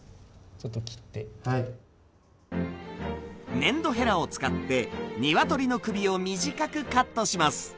粘土ヘラを使ってにわとりの首を短くカットします。